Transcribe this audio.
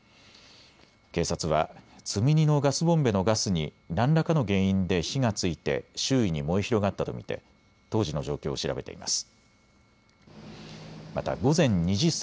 警察は積み荷のガスボンベのガスに何らかの原因で火がついて周囲に燃え広がったと見て当時の状況を調べています。